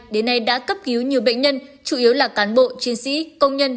đến nay đã cấp cứu nhiều bệnh nhân chủ yếu là cán bộ chiến sĩ công nhân